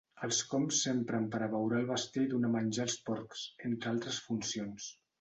Els cóms s'empren per abeurar el bestiar i donar menjar als porcs, entre altres funcions.